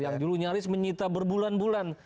yang dulu nyaris menyita berbulan bulan